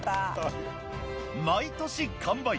毎年完売